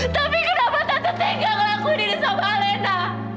tapi kenapa tante tegang lakuin ini sama alena